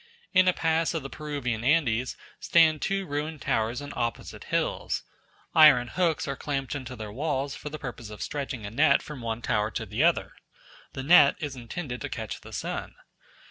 In a pass of the Peruvian Andes stand two ruined towers on opposite hills. Iron hooks are clamped into their walls for the purpose of stretching a net from one tower to the other. The net is intended to catch the sun.